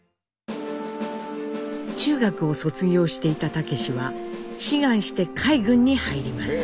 中学を卒業していた武は志願して海軍に入ります。